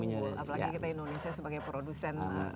apalagi kita indonesia sebagai produsen